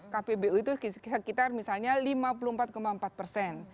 kpbu itu sekitar misalnya lima puluh empat empat persen